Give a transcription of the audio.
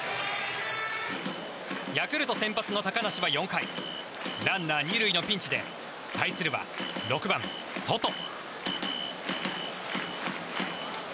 ヤクルト先発の高梨は４回ランナー２塁のピンチで対するは６番、ソト。